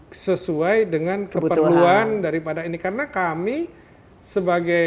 hai sesuai dengan kebutuhan daripada ini karena kami sebagai